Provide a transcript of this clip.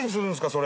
それ。